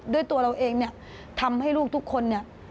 ด้วยตัวเราเองทำให้ลูกทุกคน